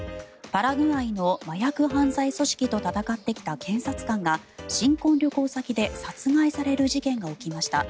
パラグアイの麻薬犯罪組織と戦ってきた検察官が新婚旅行先で殺害される事件が起きました。